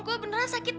gue beneran sakit